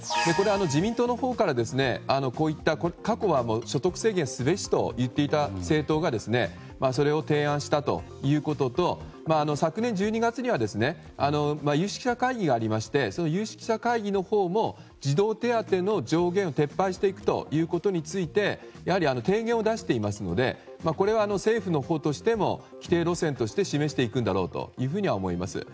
自民党のほうから、過去は所得制限すべしといっていた政党がそれを提案したということと昨年１２月には有識者会議がありまして有識者会議のほうも児童手当の上限を撤廃していくことについて提言を出していますのでこれは政府のほうとしても既定路線として示していくんだろうとは思います。